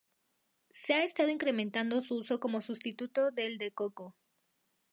Se ha estado incrementando su uso como sustituto del de coco.